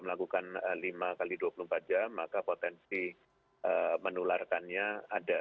kalau tidak melakukan lima kali dua puluh empat jam maka potensi menularkannya ada